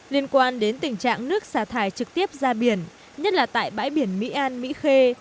liên quan đến tình trạng nước xả thải trực tiếp ra biển nhất là tại bãi biển mỹ an mỹ khê